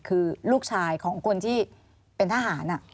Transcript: คือลูกชายของคนที่เป็นทหาร